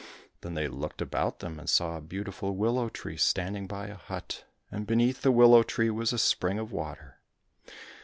Then they looked about them and saw a beautiful willow tree standing by a hut, and beneath the willow tree was a spring of water.